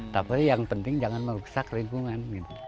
tapi yang penting jangan merusak lingkungan